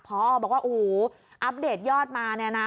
พอบอกว่าโอ้โหอัปเดตยอดมาเนี่ยนะ